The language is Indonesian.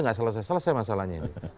nggak selesai selesai masalahnya ini